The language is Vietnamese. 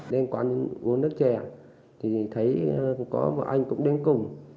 đến quán uống nước chè thì thấy có một anh cũng đến cùng